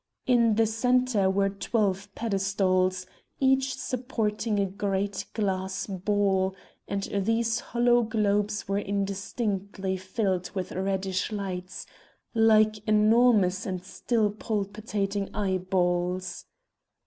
In the centre were twelve pedestals, each supporting a great glass ball, and these hollow globes were indistinctly filled with reddish lights, like enormous and still palpitating eyeballs.